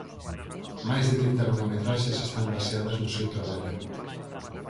Máis de trinta longametraxes están baseadas no seu traballo.